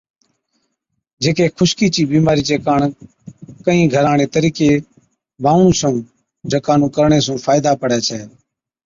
جھِڪي خُشڪِي چِي بِيمارِي چي ڪاڻ ڪهِين گھران هاڙي طرِيقي بانوَڻُون ڇئُون جڪا نُون ڪرڻي سُون فائِدا پڙَي ڇَي۔